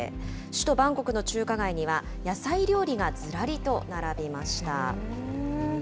首都バンコクの中華街には、野菜料理がずらりと並びました。